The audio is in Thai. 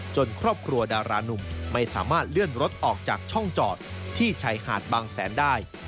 ครอบครัวดารานุ่มไม่สามารถเลื่อนรถออกจากช่องจอดที่ชายหาดบางแสนได้